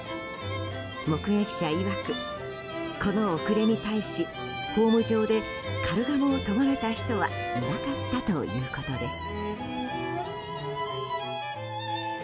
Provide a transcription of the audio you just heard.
目撃者いわく、この遅れに対しホーム上でカルガモをとがめた人はいなかったということです。